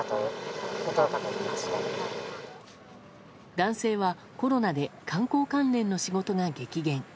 男性はコロナで観光関連の仕事が激減。